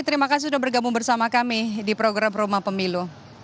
terima kasih sudah bergabung bersama kami di program rumah pemilu